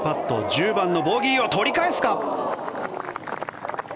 １０番のボギーを取り返すか？